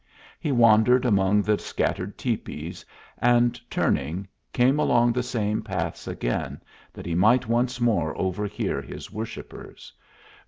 He wandered among the scattered tepees, and, turning, came along the same paths again, that he might once more overhear his worshippers.